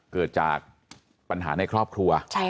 เกิดจากปัญหาในครอบครัว